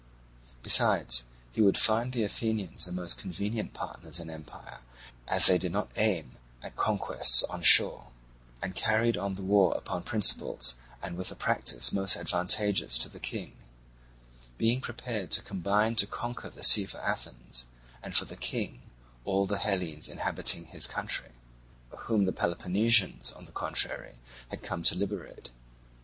Besides, he would find the Athenians the most convenient partners in empire as they did not aim at conquests on shore, and carried on the war upon principles and with a practice most advantageous to the King; being prepared to combine to conquer the sea for Athens, and for the King all the Hellenes inhabiting his country, whom the Peloponnesians, on the contrary, had come to liberate.